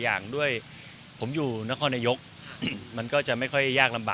ภาพมนุษย์อุดตนไมก็ถือนั่นได้